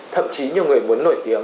thậm chí nhiều người muốn nổi tiếng